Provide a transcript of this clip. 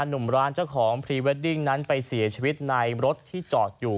หนุ่มร้านเจ้าของพรีเวดดิ้งนั้นไปเสียชีวิตในรถที่จอดอยู่